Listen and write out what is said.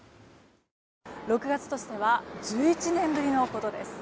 ６月としては１１年ぶりのことです。